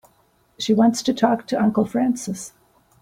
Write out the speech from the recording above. She wants to talk to Uncle Francis.